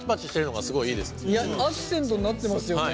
アクセントになってますよね？